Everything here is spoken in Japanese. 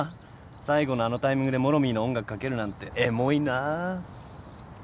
最後のあのタイミングでモロミーの音楽かけるなんてエモいな。